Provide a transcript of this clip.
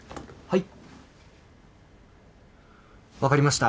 はい。